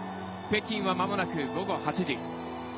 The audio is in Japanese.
北京は、まもなく午後８時。